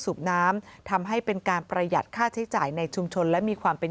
สูบน้ำทำให้เป็นการประหยัดค่าใช้จ่ายในชุมชนและมีความเป็น